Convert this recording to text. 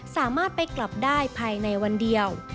สามารถไปกลับได้ภายในวันเดียว